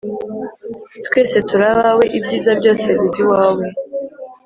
twese turi abawe, ibyiza byose biva iwawe